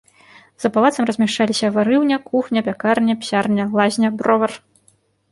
За палацам размяшчаліся варыўня, кухня, пякарня, псярня, лазня, бровар.